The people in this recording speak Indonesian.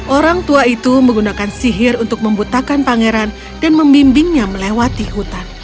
orang tua itu menggunakan sihir untuk membutakan pangeran dan membimbingnya melewati hutan